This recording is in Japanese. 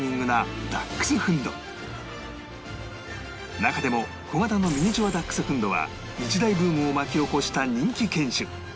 中でも小型のミニチュア・ダックスフンドは一大ブームを巻き起こした人気犬種